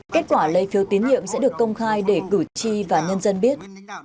kết quả lấy phiếu tiến nhiệm sẽ được công khai để gửi chi và nhân dân biết